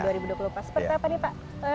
seperti apa nih pak